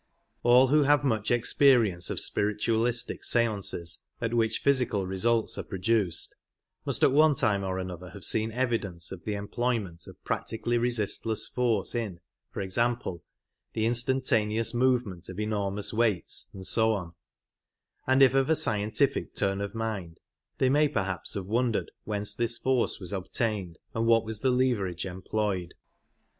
All who have much experience of spiritualistic stances at which physical results are produced must at one time or another have seen evi dence of the employment of practically resistless force in, for example, the instantaneous movement of enormous weights, and so on ; and if of a scientific turn of mind, they may perhaps have wondered whence this force was obtained, and what was the leverage employed.